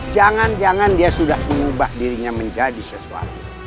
jangan jangan dia sudah mengubah dirinya menjadi sesuatu